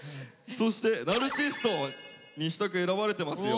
そしてナルシストニシタク選ばれてますよ。